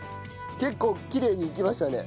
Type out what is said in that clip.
結構きれいにいきましたね。